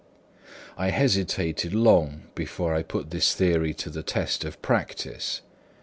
I hesitated long before I put this theory to the test of practice.